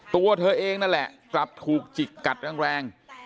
ตัวเธอเองนั่นแหละกลับถูกจิกกัดแรง